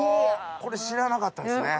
これ知らなかったですねぇ。